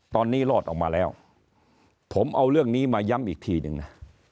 ตอนนี้รอดออกมาแล้วผมเอาเรื่องนี้มาย้ำอีกทีหนึ่งนะ